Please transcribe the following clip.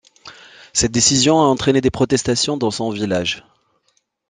Cette décision a entraîné des protestations dans son village.